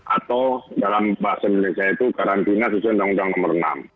atau dalam bahasa indonesia itu karantina sesuai undang undang nomor enam